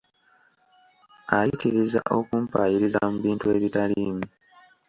Ayitiriza okumpaayiriza mu bintu ebitaliimu.